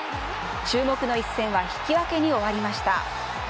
注目の一戦は引き分けに終わりました。